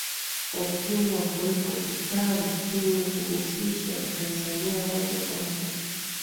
umuhimu wa kuwepo kitabu chenye kuhusisha Watanzania wote kwanza